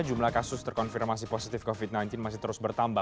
jumlah kasus terkonfirmasi positif covid sembilan belas masih terus bertambah